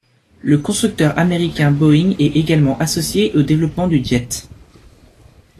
Le constructeur américain Boeing est également associé au développement du jet.